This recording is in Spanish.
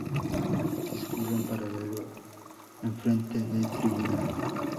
Discurre en paralelo enfrente de Tribuna.